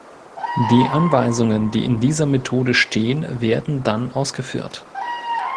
Die Anweisungen, die in dieser Methode stehen, werden dann ausgeführt.